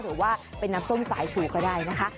หรือว่าเป็นน้ำส้มสายชูก็ได้นะคะ